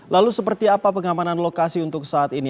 lalu seperti apa pengamanan lokasi untuk saat ini